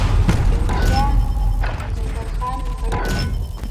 تیمورشاه مظفر خان مقرر کړ.